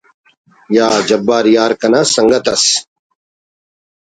یا جبار یار کنا سنگت ئس